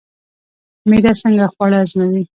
معده څنګه خواړه هضموي؟